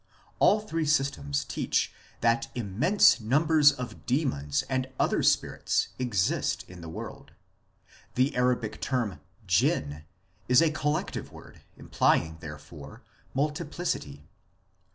All three systems teach that immense numbers of demons and other spirits exist in the world. The Arabic term Jinn is a collective word implying, therefore, multiplicity.